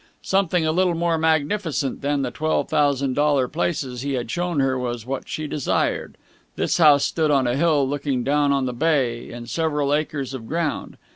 Something a little more magnificent than the twelve thousand dollar places he had shown her was what she desired. This house stood on a hill looking down on the bay, in several acres of ground.